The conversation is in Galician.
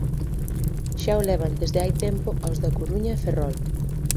Xa o levan desde hai tempo aos da Coruña e Ferrol.